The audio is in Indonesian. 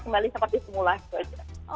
kita kembali sempat disimulasi saja